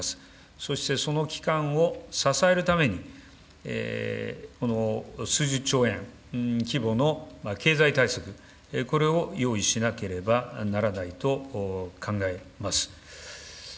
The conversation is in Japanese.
そして、その期間を支えるために、数十兆円規模の経済対策、これを用意しなければならないと考えます。